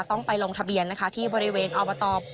ต้องไปลงทะเบียนนะคะที่บริเวณอบต